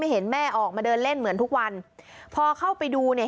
เห็นแม่ออกมาเดินเล่นเหมือนทุกวันพอเข้าไปดูเนี่ย